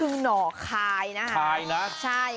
น่อคาย